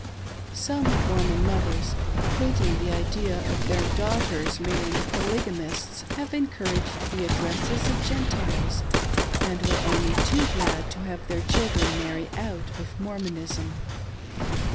Some Mormon mothers, hating the idea of their daughters marrying polygamists, have encour aged the addresses of Gentiles, and were only too glad to have their children marry out of Mormonism.